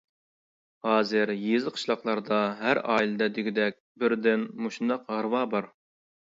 ھازىر يېزا-قىشلاقلاردا ھەر ئائىلىدە دېگۈدەك بىردىن مۇشۇنداق ھارۋا بار.